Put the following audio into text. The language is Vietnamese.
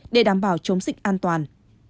đảm bảo chống dịch an toàn